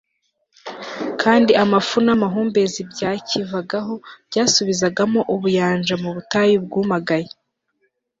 kandi amafu n'amahumbezi byakivagaho byabasubizagamo ubuyanja mu butayu bwumagaye